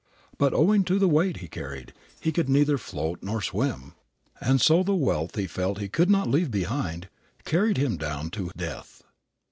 But, owing to the weight he carried, he could neither float nor swim, and so the wealth he felt he could not leave behind carried him down to death.